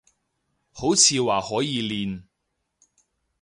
好似話可以練